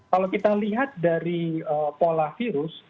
kalau kita lihat dari pola virus